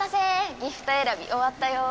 ギフト選び終わったよ！